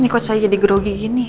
ini kok saya jadi grogi gini